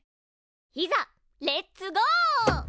いざレッツゴー！